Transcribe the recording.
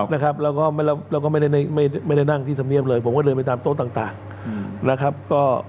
แล้วก็ไม่ได้นั่งที่ธรรมเนียบเลยผมก็เดินไปตามโต๊ะต่าง